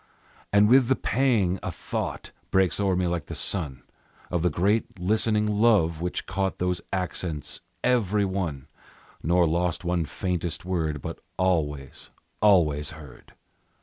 And with the pang a thought Breaks o'er me like the sun, Of the great listening Love which caught Those accents every one, Nor lost one faintest word, but always, always heard.